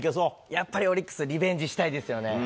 やっぱりオリックス、リベンジしたいですよね。